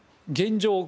現状